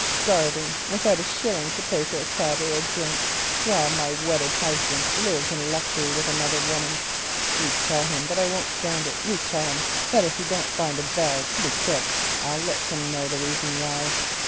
"Starving without a shilling to pay for a cab or a drink while my wedded husband lives in luxury with another woman. You tell him that I won't stand it; you tell him that if he don't find a 'thou.' pretty quick I'll let him know the reason why."